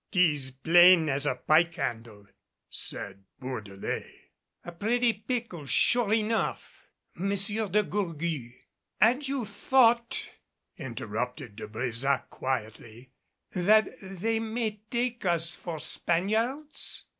"'Tis plain as a pike handle," said Bourdelais. "A pretty pickle, sure enough " "M. de Gourgues, had you thought," interrupted De Brésac quietly, "that they may take us for Spaniards?"